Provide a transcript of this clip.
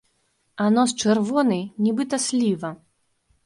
А нос чырвоны, нібыта сліва.